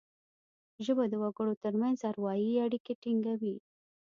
ژبه د وګړو ترمنځ اروايي اړیکي ټینګوي